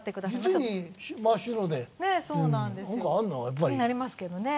気になりますけどね。